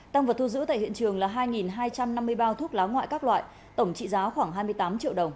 tăng vật thu giữ tại hiện trường là hai hai trăm năm mươi bao thuốc lá ngoại các loại tổng trị giá khoảng hai mươi tám triệu đồng